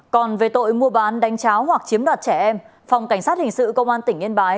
còn về tội mua bán đánh cháo hoặc chiếm đoạt trẻ em phòng cảnh sát hình sự công an tỉnh yên bái